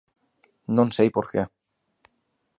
Non sei por que.